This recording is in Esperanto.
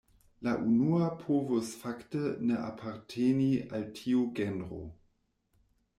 La unua povus fakte ne aparteni al tiu genro.